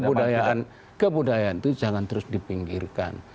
kebudayaan kebudayaan itu jangan terus dipinggirkan